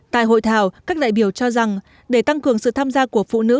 tại hội thảo các đại biểu cho rằng để tăng cường sự tham gia của phụ nữ